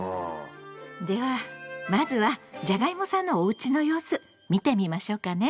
ではまずはじゃがいもさんのおうちの様子見てみましょうかね。